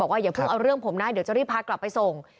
บอกว่าอย่าพูดเอาเรื่องผมหน้าเดี๋ยวจะรีบพากลับไปส่ง